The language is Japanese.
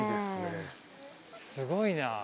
すごいな。